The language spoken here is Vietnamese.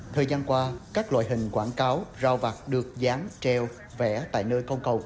thời gian qua các loại hình quảng cáo rau vặt được dán treo vẽ tại nơi công cầu